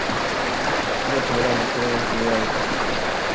Es la primera mujer en acceder al cargo.